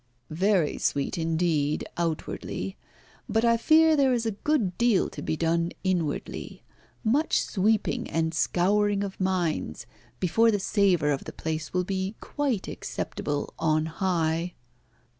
"Very sweet indeed, outwardly. But I fear there is a good deal to be done inwardly; much sweeping and scouring of minds before the savour of the place will be quite acceptable on high."